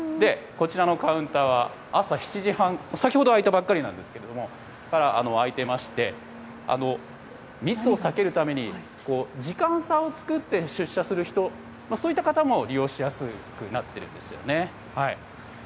こちらのカウンターは、朝７時半、先ほど開いたばっかりなんですけれども、開いてまして、密を避けるために、時間差を作って出社する人、そういった方も利用しやすくなっているんですよね。